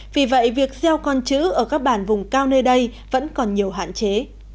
vì vậy việc gieo con chữ ở các bản vùng cao nơi đây vẫn còn nhiều hạn chế